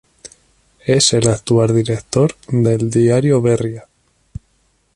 Es el actual director del diario Berria.